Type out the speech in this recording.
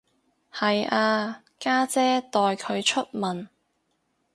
係啊，家姐代佢出文